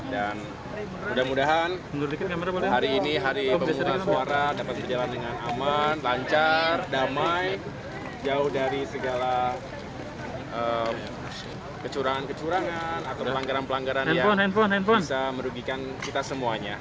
dan mudah mudahan hari ini hari pemungutan suara dapat berjalan dengan aman lancar damai jauh dari segala kecurangan kecurangan atau pelanggaran pelanggaran yang bisa merugikan kita semuanya